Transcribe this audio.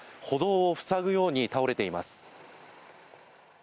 歩道を塞ぐように倒れています。